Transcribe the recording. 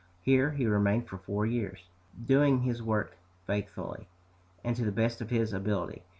Here he remained for four years, doing his work faithfully, and to the best of his ability.